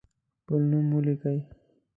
خپل نوم ولیکئ.